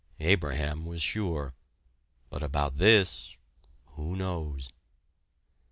Abraham was sure, but about this who knows?